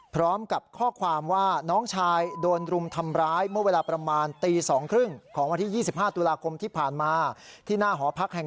พร้อมกับข้อความว่าน้องชายโดนรุมทำร้ายเมื่อเวลาประมาณตี๒๓๐ของวันที่๒๕ตุลาคมที่ผ่านมาที่หน้าหอพักแห่ง